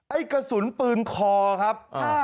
ไอ้กระสุนปืนคอครับ